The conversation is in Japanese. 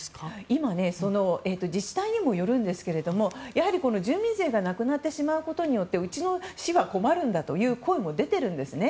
今自治体にもよるんですけどやはり、住民税がなくなってしまうことによってうちの市は困るという声も出ているんですね。